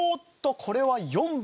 これは４番。